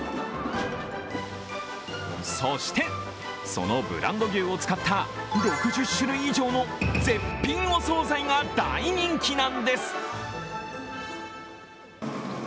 そして、そのブランド牛を使った６０種類以上の絶品お総菜が大人気なんです。